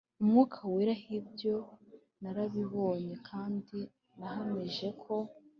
umwuka wera h Ibyo narabibonye kandi nahamije ko